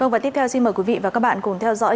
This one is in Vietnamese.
và tiếp theo xin mời quý vị và các bạn cùng theo dõi